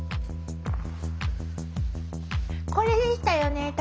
これでしたよね